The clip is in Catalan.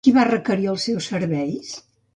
Qui va requerir els seus serveis?